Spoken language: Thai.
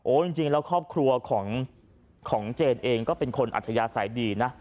จริงแล้วครอบครัวของเจนเองก็เป็นคนอัธยาศัยดีนะ